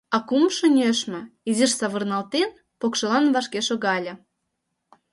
А кумшо нӧшмӧ, изиш савырналтен, покшелан вашке шогале.